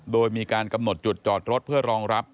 โดยมีการกำหนดจุดจอดรถเพื่อรองรับ